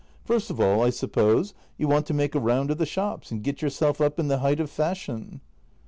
First of all, I suppose, you want to make a round of the shops, and get yourself up in the height of fashion.